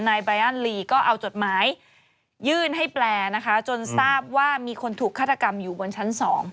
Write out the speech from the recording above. นายบายอันลีก็เอาจดหมายยื่นให้แปลนะคะจนทราบว่ามีคนถูกฆาตกรรมอยู่บนชั้น๒